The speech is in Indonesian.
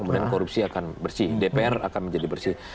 kemudian korupsi akan bersih dpr akan menjadi bersih